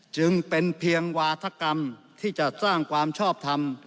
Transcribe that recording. จึงเป็นเพียงวาธกรรมที่จะสร้างความชอบทำ